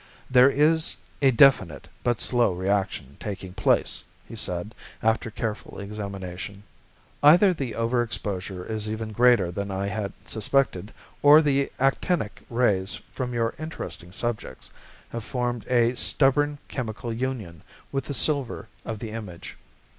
"There is a definite but slow reaction taking place," he said after a careful examination. "Either the over exposure is even greater than I had suspected, or the actinic rays from your interesting subjects have formed a stubborn chemical union with the silver of the image.